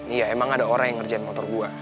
iya emang ada orang yang ngerjain motor gua